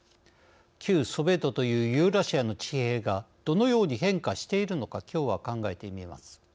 旧ソビエトというユーラシアの地平がどのように変化しているのかきょうは考えてみます。